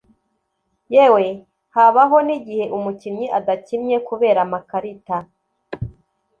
yewe habaho n’igihe umukinnyi adakinnye kubera amakarita